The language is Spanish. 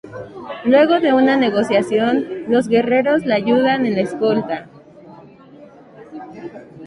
Luego de una negociación, los guerreros la ayudan en la escolta.